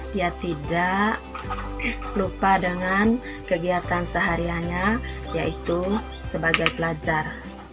dia tidak lupa dengan kegiatan seharianya yaitu sebagai pelajar